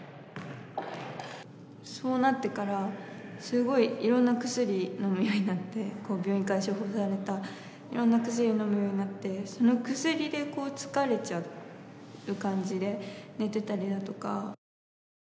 そうなってからすごくいろんな薬を飲むようになって病院から処方されたいろんな薬飲むようになってその薬で疲れちゃう感じで寝ていたりだとか。